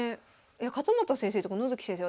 勝又先生とか野月先生